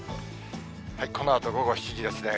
このあと午後７時ですね。